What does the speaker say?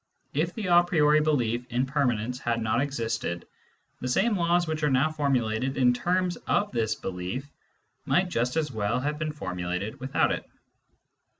If the a priori belief in permanence had not existed, the same laws which are now formulated in terms of this belief might just as well have been formulated without it.